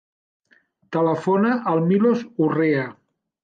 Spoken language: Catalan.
Telefona al Milos Urrea.